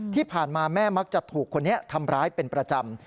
ที่ผ่านมาแม่มักจะถูกคนนี้ทำร้ายเป็นประจำ